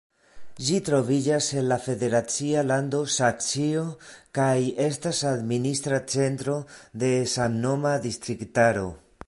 Ĝi troviĝas en la federacia lando Saksio kaj estas administra centro de samnoma distriktaro.